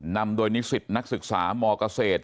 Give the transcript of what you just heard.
นำโดยนิสิตนักศึกษามเกษตร